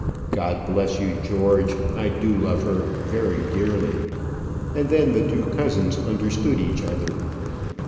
"God bless you, George. I do love her very dearly." And then the two cousins understood each other.